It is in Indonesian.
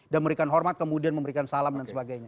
dan memberikan hormat kemudian memberikan salam dan sebagainya